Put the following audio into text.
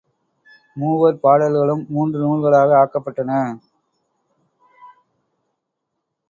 மூவர் பாடல்களும் மூன்று நூல்களாக ஆக்கப் பட்டன.